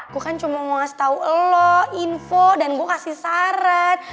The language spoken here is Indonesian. gue kan cuma mau ngasih tau lo info dan gue kasih syarat